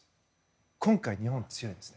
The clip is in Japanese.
今回、日本強いんです。